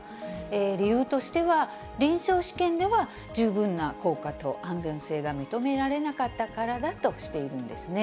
理由としては、臨床試験では十分な効果と安全性が認められなかったからだとしているんですね。